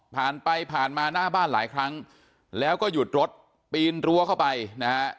ผ่านไปผ่านมาหน้าบ้านหลายครั้งแล้วก็หยุดรถปีนรั้วเข้าไปนะฮะ